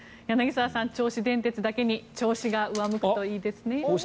柳澤さん、銚子電鉄だけに調子が上向くといいですね。